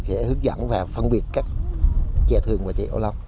để hướng dẫn và phân biệt các trà thường và trà ô long